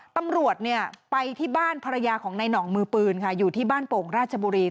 ตำรวจไปที่บ้านภรรยาของนายห่องมือปืนค่ะอยู่ที่บ้านโป่งราชบุรี